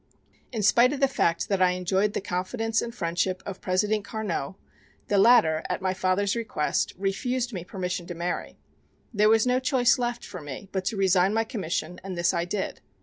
"In spite of the fact that I enjoyed the confidence and friendship of President Carnot the latter, at my father's request, refused me permission to marry. There was no choice left for me but to resign my commission, and this I did.